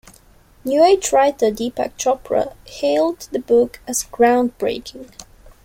New age writer Deepak Chopra hailed the book as "ground-breaking".